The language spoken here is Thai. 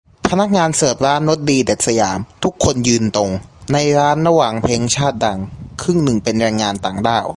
พนักงานเสิร์ฟร้านรสดีเด็ด สยาม ทุกคนยืนตรง ในร้าน ระหว่างเพลงชาติดัง ครึ่งนึงเป็นแรงงานต่างด้าว